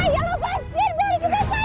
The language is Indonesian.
lada bany sempit dari wilayah